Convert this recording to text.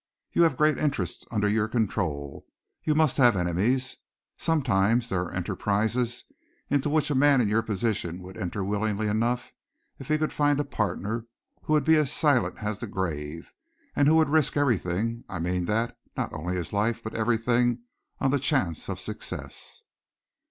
You have great interests under your control. You must have enemies. Sometimes there are enterprises into which a man in your position would enter willingly enough if he could find a partner who would be as silent as the grave, and who would risk everything I mean that not only his life, but everything, on the chance of success."